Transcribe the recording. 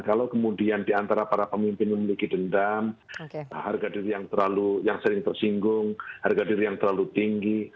kalau kemudian diantara para pemimpin memiliki dendam harga diri yang terlalu yang sering tersinggung harga diri yang terlalu tinggi